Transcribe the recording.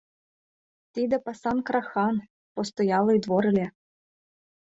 Тиде пасанг-рахан — постоялый двор ыле.